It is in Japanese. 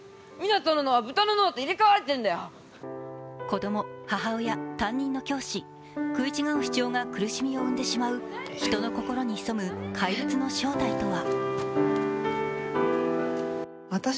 子供、母親、担任の教師、食い違う主張が苦しみを生んでしまう人の心に潜む怪物の正体とは。